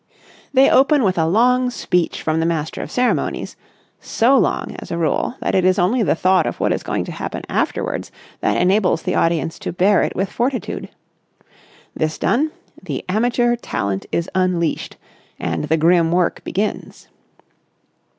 They open with a long speech from the master of the ceremonies—so long, as a rule, that it is only the thought of what is going to happen afterwards that enables the audience to bear it with fortitude. This done, the amateur talent is unleashed, and the grim work begins.